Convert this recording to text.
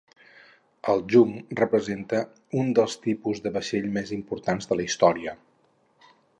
El junc representa un dels tipus de vaixell més importants de la història.